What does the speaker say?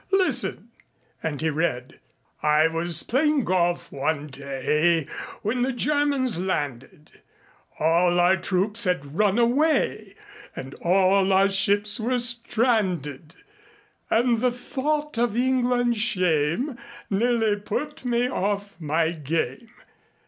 Listen." And he read: "I was playing golf one day when the Germans landed All our troops had run away and all our ships were stranded And the thought of England's shame nearly put me off my game."